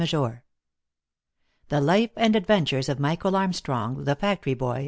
379 w ^z&& , THE LIFE AND ADVENTURES OF MICHAEL ARMSTRONG, THE FACTORY BOY.